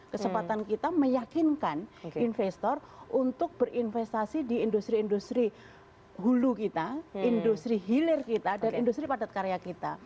kesempatan kita meyakinkan investor untuk berinvestasi di industri industri hulu kita industri hilir kita dan industri padat karya kita